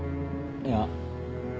いや